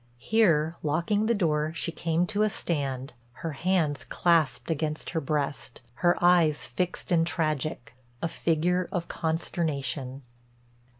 Here, locking the door, she came to a stand, her hands clasped against her breast, her eyes fixed and tragic, a figure of consternation.